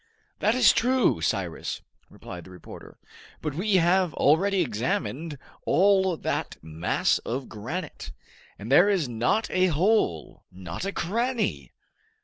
"That is true, Cyrus," replied the reporter, "but we have already examined all that mass of granite, and there is not a hole, not a cranny!"